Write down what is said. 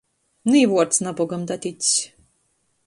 Nu i vuords nabogam datics